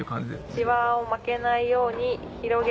「シワを負けないように広げて」